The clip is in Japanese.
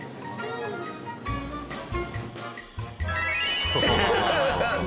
ハハハハッ！